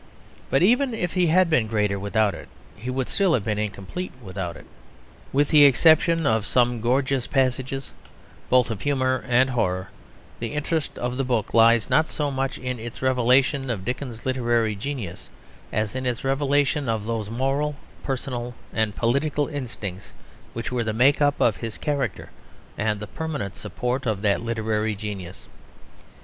But even if he had been greater without it he would still have been incomplete without it. With the exception of some gorgeous passages, both of humour and horror, the interest of the book lies not so much in its revelation of Dickens's literary genius as in its revelation of those moral, personal, and political instincts which were the make up of his character and the permanent support of that literary genius.